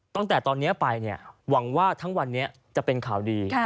ตั้งแต่ตอนนี้ไปหวังว่าทั้งวันนี้จะเป็นข่าวดี